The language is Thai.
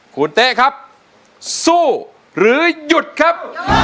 คุณเต๊ะครับสู้หรือหยุดครับ